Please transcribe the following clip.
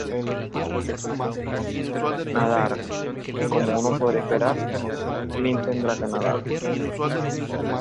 Nadar: como uno podría esperar, Link tendrá que nadar.